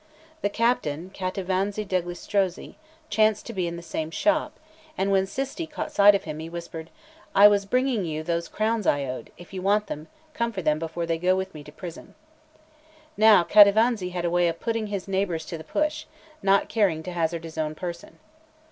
The captain, Cattivanza degli Strozzi, chanced to be in the same shop; and when Cisti caught sight of him, he whispered: "I was bringing you those crowns I owed; if you want them, come for them before they go with me to prison." Now Cattivanza had a way of putting his neighbours to the push, not caring to hazard his own person.